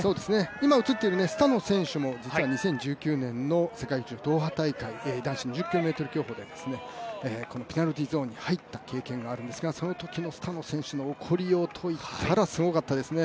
今映っているスタノ選手も実は２０１９年の世界陸上ドーハ大会、男子２０ｋｍ競歩でペナルティーゾーンに入った経験があるんですがそのときのスタノ選手の怒りようといったらすごかったですね。